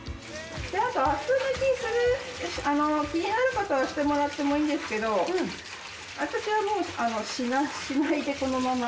あとアク抜きする気になる方はしてもらってもいいんですけど私はもうしないでこのまま。